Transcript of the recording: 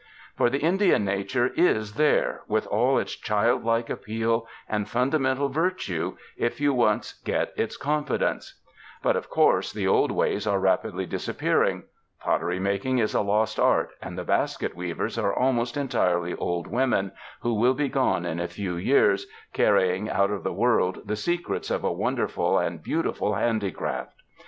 For the Indian nature is there, with all its childlike appeal and fundamental virtue, if you once get its confidence. But, of course, the old 85 UNDER THE SKY IN CALIFORNIA ways are rapidly disappearing. Pottery making is a lost art, and the basket weavers are almost en tirely old women, who will be gone in a few years, carrying out of the world the secrets of a wonder ful and beautiful handicraft.